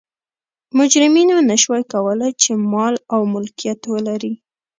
مجرمینو نه شوای کولای چې مال او ملکیت ولري.